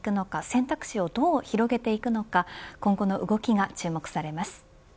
選択肢をどう広げるのか今後の動きが注目されます。